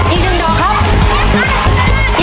อีก๑ดอกครับ